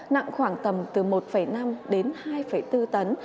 nặng khoảng tầm từ một năm đến hai bốn tấn